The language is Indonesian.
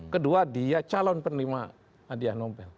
kedua dia calon penerima hadiah nobel